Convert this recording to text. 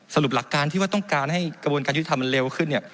สรุปหลักการที่ว่าต้องการให้กระบวนการยุติธรรมเร็วขึ้น